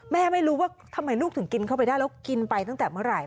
ไม่รู้ว่าทำไมลูกถึงกินเข้าไปได้แล้วกินไปตั้งแต่เมื่อไหร่